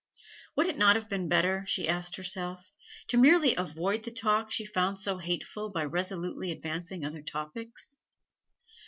Would it not have been better, she asked herself, to merely avoid the talk she found so hateful by resolutely advancing other topics?